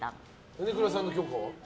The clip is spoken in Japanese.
米倉さんの許可は？